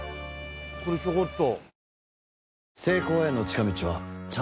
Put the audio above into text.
これちょこっと。